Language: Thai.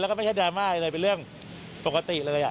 แล้วก็ไม่ใช่ดราม่าอะไรเลยเป็นเรื่องปกติเลย